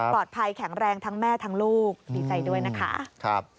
แข็งแรงทั้งแม่ทั้งลูกดีใจด้วยนะคะ